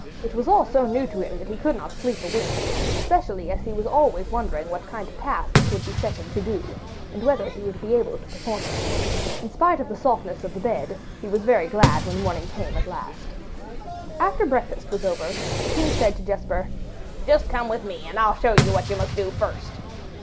It was all so new to him that he could not sleep a wink, especially as he was always wondering what kind of tasks would be set him to do, and whether he would be able to perform them. In spite of the softness of the bed, he was very glad when morning came at last. After breakfast was over, the king said to Jesper, 'Just come with me, and I'll show you what you must do first.